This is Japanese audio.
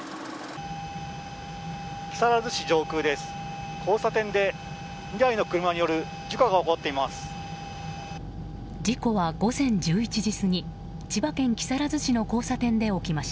木更津市上空です。